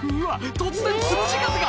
突然つむじ風が！